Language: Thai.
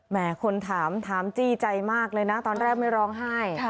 คนถามถามจี้ใจมากเลยนะตอนแรกไม่ร้องไห้